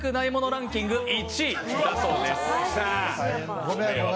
ランキング１位だそうです。